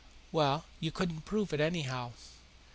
Well, you couldn't prove it, anyhow.